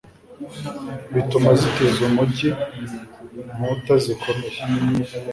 bituma azitiza umugi inkuta zikomeye